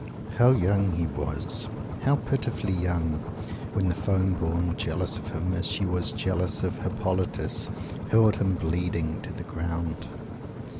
How young he was, how pitifully young, when the Foam born, jealous of him as she was jealous of Hippolytus, hurled him bleeding to the ground!